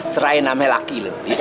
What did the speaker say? serahin namanya laki lu